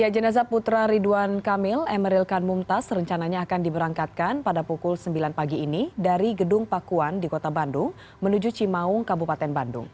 jenazah putra ridwan kamil emeril kan mumtaz rencananya akan diberangkatkan pada pukul sembilan pagi ini dari gedung pakuan di kota bandung menuju cimaung kabupaten bandung